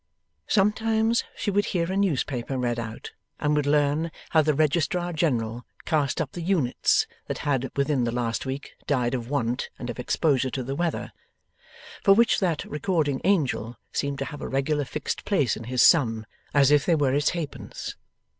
Sometimes she would hear a newspaper read out, and would learn how the Registrar General cast up the units that had within the last week died of want and of exposure to the weather: for which that Recording Angel seemed to have a regular fixed place in his sum, as if they were its halfpence.